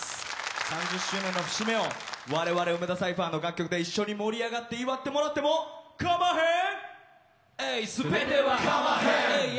３０周年の節目を我々梅田サイファーの楽曲で一緒に盛り上がって祝ってもらってもかまへん！